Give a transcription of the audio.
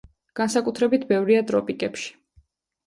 განსაკუთრებით ბევრია ტროპიკებში.